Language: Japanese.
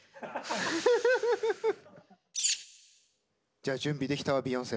じゃあ準備できたわビヨンセ。